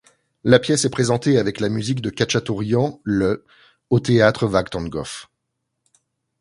La pièce est présentée avec la musique de Khatchatourian le au théâtre Vaghtangov.